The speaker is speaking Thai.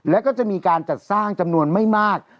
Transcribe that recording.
แล้วก็จะมีการจัดสร้างจำนวนไม่มาก